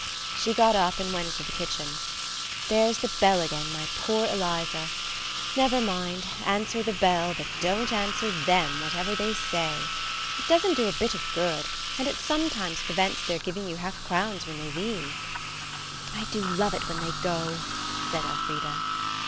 She got up and went into the kitchen. "There's the bell again, my poor Eliza. Never mind; answer the bell, but don't answer them, whatever they say. It doesn't do a bit of good, and it sometimes prevents their giving you half crowns when they leave." "I do love it when they go," said Elfrida.